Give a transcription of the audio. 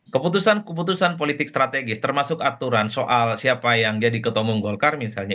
keputusan keputusan politik strategis termasuk aturan soal siapa yang jadi ketua umum golkar misalnya